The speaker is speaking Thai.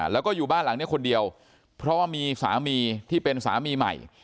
แล้วก็อยู่บ้านหลังนี้คนเดียวเพราะว่ามีสามีที่เป็นสามีใหม่